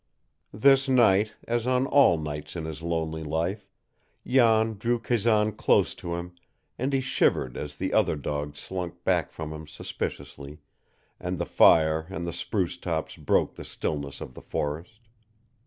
This night, as on all nights in his lonely life, Jan drew Kazan close to him, and he shivered as the other dogs slunk back from him suspiciously and the fire and the spruce tops broke the stillness of the forest.